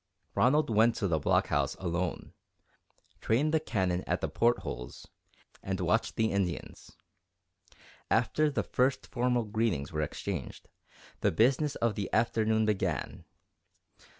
Ronald went to the blockhouse alone, trained the cannon at the port holes, and watched the Indians. After the first formal greetings were exchanged, the business of the afternoon began.